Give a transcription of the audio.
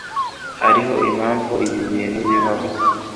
Hariho impamvu ibi bintu bibaho.